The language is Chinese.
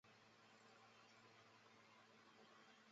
厚床车站的铁路车站。